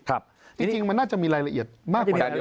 จริงมันน่าจะมีรายละเอียดมากกว่านี้